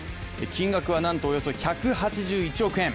金額はなんとおよそ１８１億円。